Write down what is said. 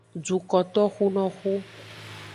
Dukotoxunoxu.